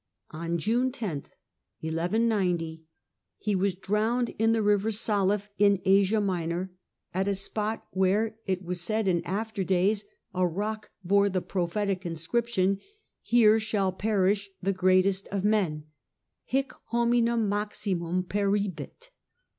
On June 10, 1190 he L, June was drowucd in the river Saleph in Asia Minor, at a spot 10, 1190 where, it was said in after days, a rock bore the prophetic inscription :—" Here shall perish the greatest of men " (Hie Hominum Maximus Perihit).